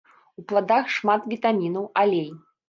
У пладах шмат вітамінаў, алей.